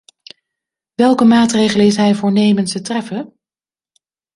Welke maatregelen is hij voornemens te treffen?